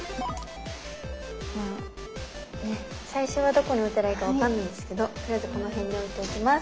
最初はどこに置いたらいいか分かんないんですけどとりあえずこの辺に置いておきます。